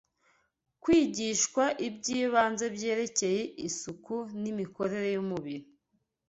kwigishwa iby’ibanze byerekeye isuku n’imikorere y’umubiri